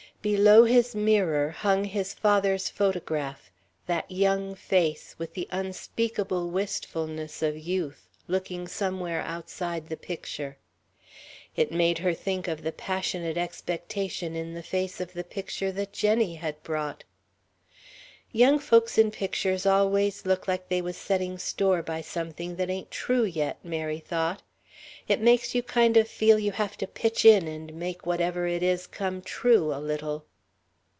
Below his mirror hung his father's photograph, that young face, with the unspeakable wistfulness of youth, looking somewhere outside the picture. It made her think of the passionate expectation in the face of the picture that Jenny had brought. "Young folks in pictures always look like they was setting store by something that ain't true yet," Mary thought. "It makes you kind of feel you have to pitch in and make whatever it is come true, a little...."